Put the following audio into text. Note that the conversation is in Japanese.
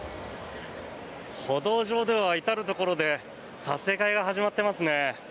歩道上では至るところで撮影会が始まってますね。